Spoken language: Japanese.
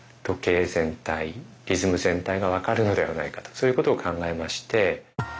そういうことを考えまして。